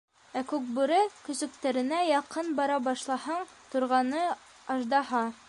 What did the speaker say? Ә Күкбүре, көсөктәренә яҡын бара башлаһаң, торғаны аждаһа.